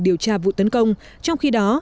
điều tra vụ tấn công trong khi đó